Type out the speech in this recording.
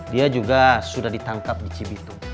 dia juga sudah ditangkap di cibitung